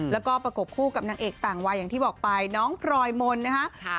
แล้วก็ประกบคู่กับนางเอกต่างวัยอย่างที่บอกไปน้องพลอยมนต์นะคะ